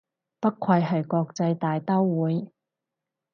不愧係國際大刀會